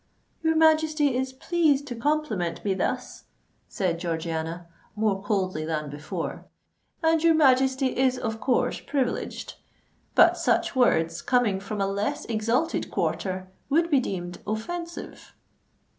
"Your Majesty is pleased to compliment me thus," said Georgiana, more coldly than before: "and your Majesty is of course privileged. But such words, coming from a less exalted quarter, would be deemed offensive."